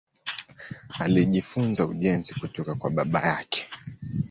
Alijifunza ujenzi kutoka kwa baba yake.